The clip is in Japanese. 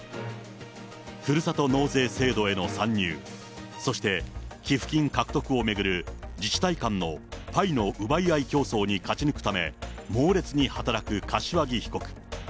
ふるさと納税制度への参入、そして寄付金獲得を巡る自治体間のパイの奪い合い競争に勝ち抜くため、猛烈に働く柏木被告。